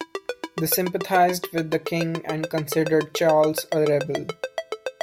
They sympathised with the King and considered Charles a rebel.